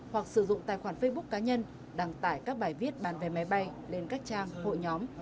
hoặc sử dụng tài khoản facebook cá nhân đăng tải các bài viết bàn vé máy bay lên các trang hội nhóm